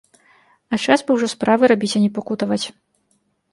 А час бы ужо справы рабіць, а не пакутаваць.